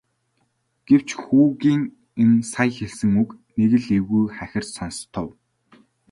Гэвч хүүгийн нь сая хэлсэн үг нэг л эвгүй хахир сонстов.